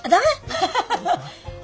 ハハハハあ。